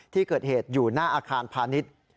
ที่เกิดเหตุอยู่หน้าอาคารพาณิชย์